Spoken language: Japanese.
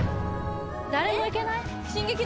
・誰もいけない？